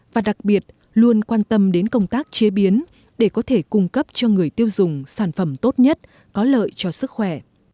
và đặc biệt luôn quan tâm đến công tác chế biến để có thể cung cấp cho người tiêu dùng sản phẩm tốt nhất có lợi cho sức khỏe